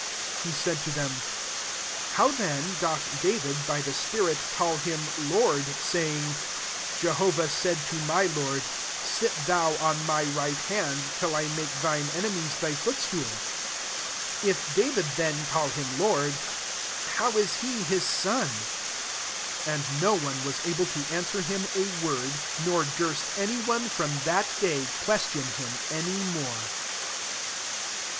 43 He said to them, " How then doth Da vid, by the spirit, caU him Lord, saying, 44 * Jehovah said to my Lord, Sit thou on my right hand, till I make thine enemies thy footstool ?' 45 If David then call him Lord, how is he his son ?" 46 And no one was able to answer him a word ; nor durst 60 MATTHEW XXm. ttny one from that day question I him any more. Ch.